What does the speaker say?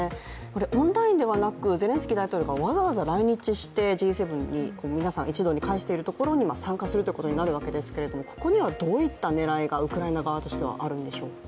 オンラインではなくゼレンスキー大統領がわざわざ来日してＧ７に一堂に会しているところに参加するということになるわけですけれどもここにはどういった狙いがウクライナ側としてはあるんでしょうか。